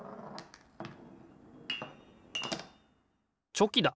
チョキだ！